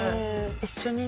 一緒にね。